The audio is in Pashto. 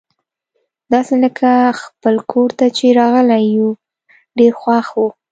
داسي لکه خپل کور ته چي راغلي یو، ډېر خوښ وو.